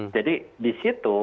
jadi di situ